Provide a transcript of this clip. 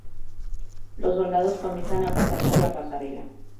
Los soldados comienzan a pasar por la pasarela.